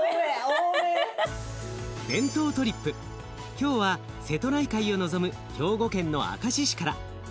今日は瀬戸内海を望む兵庫県の明石市から。